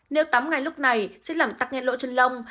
nếu tắm ngay lúc này sẽ làm tắc nghẹn lỗ chân lông